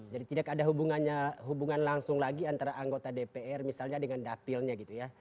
jadi tidak ada hubungannya hubungan langsung lagi antara anggota dpr misalnya dengan dapilnya gitu ya